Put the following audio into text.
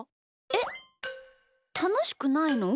えったのしくないの？